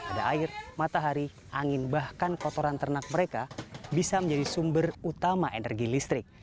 ada air matahari angin bahkan kotoran ternak mereka bisa menjadi sumber utama energi listrik